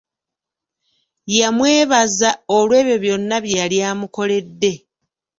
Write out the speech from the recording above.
Yamwebaza olw'ebyo byonna bye yali amukoledde.